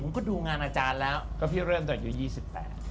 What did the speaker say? ก็ดูงานอาจารย์แล้วก็พี่เริ่มตอนอายุยี่สิบแปด